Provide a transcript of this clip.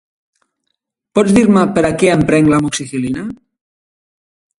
Pots dir-me per a què em prenc l'Amoxicil·lina?